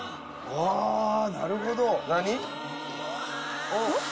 あなるほど。